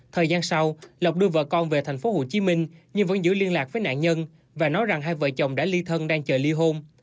thời gian sau lộc đưa vợ con về tp hcm nhưng vẫn giữ liên lạc với nạn nhân và nói rằng hai vợ chồng đã ly thân đang chờ ly hôn